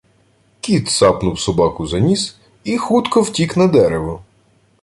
Кіт цапнув собаку за ніс і хутко втік на дерево